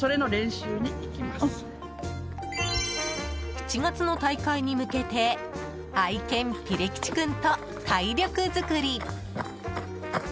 ７月の大会に向けて愛犬ぴれきち君と体力作り！